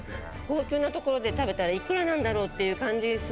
高級なところで食べたらいくらなんだろう？っていう感じしますよね。